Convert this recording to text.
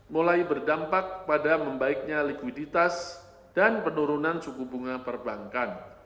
mulai berdampak pada membaiknya likuiditas dan penurunan suku bunga perbankan